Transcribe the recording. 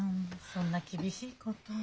そんな厳しいことを。